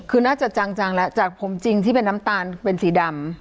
คือน่าจะจังแล้วจากผมจริงที่เป็นน้ำตาลเป็นสีดำ